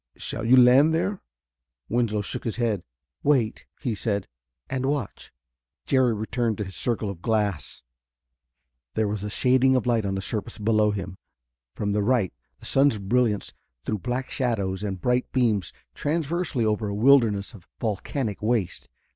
Shall you land there?" Winslow shook his head. "Wait," he said, "and watch." Jerry returned to his circle of glass. There was a shading of light on the surface below him. From the right the sun's brilliance threw black shadows and bright beams transversely over a wilderness of volcanic waste.